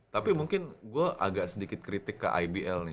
tapi mungkin gue agak sedikit kritik ke ibl nih